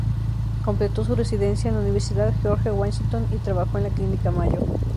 Completó su residencia en la Universidad George Washington y trabajó en la Clínica Mayo.